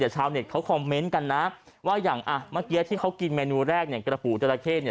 ชาวเน็ตเขาคอมเมนต์กันนะว่าอย่างอ่ะเมื่อกี้ที่เขากินเมนูแรกเนี่ยกระปูจราเข้เนี่ย